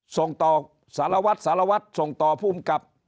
ส่งต่อสารวัฒน์สารวัฒน์ส่งต่อผู้อุ้มกับ